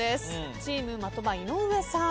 チーム的場井上さん。